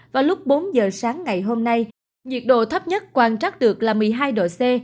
vào lúc bốn giờ sáng ngày hôm nay nhiệt độ thấp nhất quan trắc được là một mươi hai độ c